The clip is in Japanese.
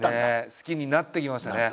好きになってきましたね。